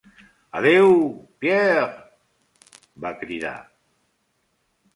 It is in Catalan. Adéu, Pierre, va cridar.